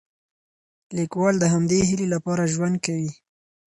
لیکوال د همدې هیلې لپاره ژوند کوي.